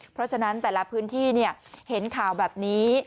เพราะฉะนั้นแต่ละพื้นที่เห็นข่าวแบบนี้